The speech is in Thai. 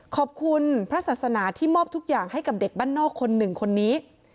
ขอบคุณพระศาสนาที่มอบทุกอย่างให้กับเด็กบ้านนอกคนหนึ่งคนนี้